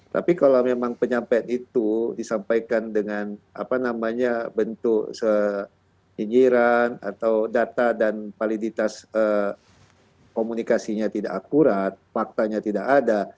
tapi kalau memang penyampaian itu disampaikan dengan bentuk senyinyiran atau data dan validitas komunikasinya tidak akurat faktanya tidak ada